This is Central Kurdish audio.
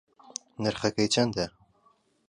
نرخەکەی چەندە